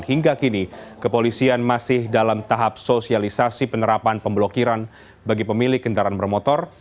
hingga kini kepolisian masih dalam tahap sosialisasi penerapan pemblokiran bagi pemilik kendaraan bermotor